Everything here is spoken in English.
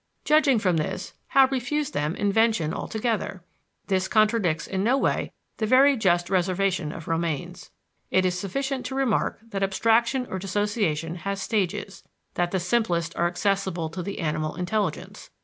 Judging from this, how refuse them invention altogether? This contradicts in no way the very just reservation of Romanes. It is sufficient to remark that abstraction or dissociation has stages, that the simplest are accessible to the animal intelligence.